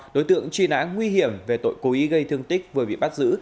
đối tượng truy nã nguy hiểm về tội cố ý gây thương tích vừa bị bắt giữ